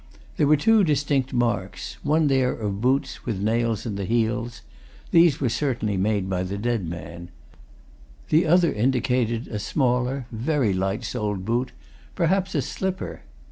There were two distinct marks; one there of boots with nails in the heels; these were certainly made by the dead man; the other indicated a smaller, very light soled boot, perhaps a slipper.